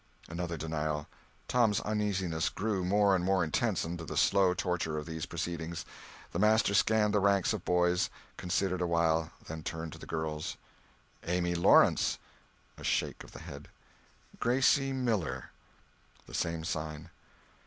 Another denial. Tom's uneasiness grew more and more intense under the slow torture of these proceedings. The master scanned the ranks of boys—considered a while, then turned to the girls: "Amy Lawrence?" A shake of the head. "Gracie Miller?" The same sign.